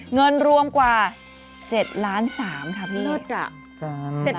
เงินรวมกว่าเจ็ดล้านสามเนี้ยแย่แล้วหรอ